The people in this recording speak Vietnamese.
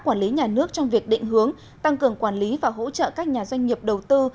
quản lý nhà nước trong việc định hướng tăng cường quản lý và hỗ trợ các nhà doanh nghiệp đầu tư